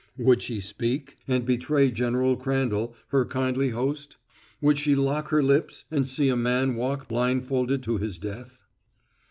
Would she speak and betray General Crandall, her kindly host? Would she lock her lips and see a man walk blindfolded to his death?